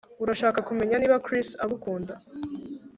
Urashaka kumenya niba Chris agukunda